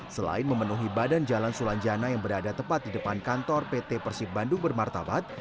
selain memenuhi badan jalan sulanjana yang berada tepat di depan kantor pt persib bandung bermartabat